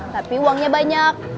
tapi uangnya banyak